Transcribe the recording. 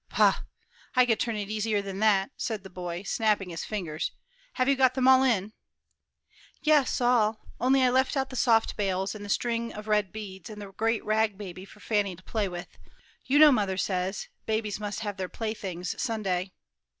"Poh! I can turn it easier than that," said the boy, snapping his fingers; "have you got them all in?" "Yes, all; only I left out the soft bales, and the string of red beads, and the great rag baby for Fanny to play with you know mother says babies must have their playthings Sunday."